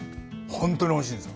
本当においしいです。